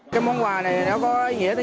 cái món quà này nó có nghĩa tính